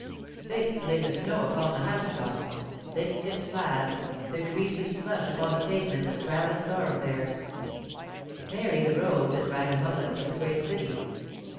Thick lay the snow upon the housetops; "thick and slab" the greasy slush upon the pavements of crowded thoroughfares; merry the rogues and ragamuffins of the great city.